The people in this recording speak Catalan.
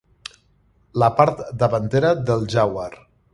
La part davantera del jaguar.